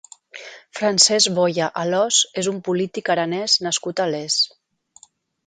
Francés Boya Alòs és un polític aranès nascut a Les.